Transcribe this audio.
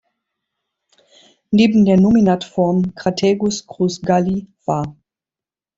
Neben der Nominatform "Crataegus crus-galli" var.